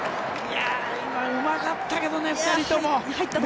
今、うまかったけどね２人とも。